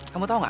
kamu tau gak